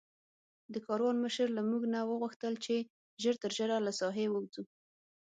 د کاروان مشر له موږ نه وغوښتل چې ژر تر ژره له ساحې ووځو.